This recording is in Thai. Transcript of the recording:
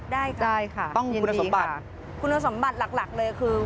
ได้ค่ะยินดีค่ะคุณสมบัติคุณสมบัติหลักเลยคือ